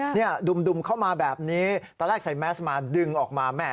เนี่ยดุ่มเข้ามาแบบนี้ตอนแรกใส่แมสมาดึงออกมาแม่